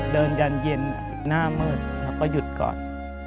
เดินการเย็นหน้าเมื่อเราก็หยุดก่อน